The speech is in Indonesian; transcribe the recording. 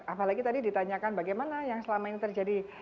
apalagi tadi ditanyakan bagaimana yang selama ini terjadi